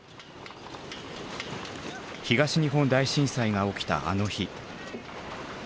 東日本大震災が起きたあの日。